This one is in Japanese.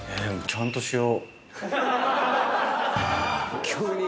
ちゃんとしよ。